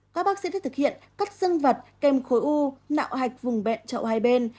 các bác sĩ đã thực hiện cắt dân vật kèm khối u nạo hạch vùng bẹn trậu hai bên